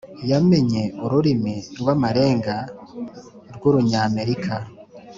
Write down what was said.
yamenye ururimi rw amarenga rw urunyamerika